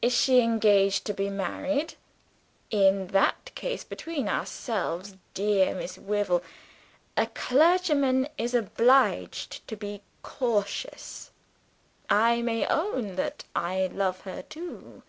Is she engaged to be married? In that case between ourselves, dear Miss Wyvil, a clergyman is obliged to be cautious I may own that I love her too."